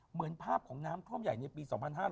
เหมือนภาพของน้ำท่วมใหญ่ในปี๒๕๕๙